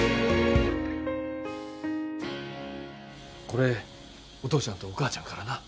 これお父ちゃんとお母ちゃんからな。